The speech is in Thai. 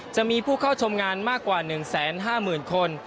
จะมีผู้เข้าชมงานมากกว่า๑๕๐๐๐คน